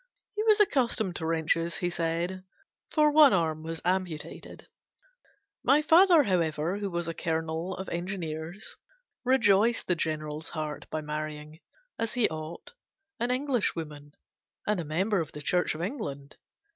He was accustomed to wrenches, he said, for one arm was amputated. My father, however, who was a Colonel of Engineers, rejoiced the General's heart by marrying, as he ought, an Englishwoman, and a member of the Church of England.